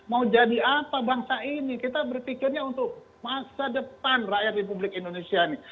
mau jadi apa bangsa ini kita berpikirnya untuk masa depan rakyat republik indonesia ini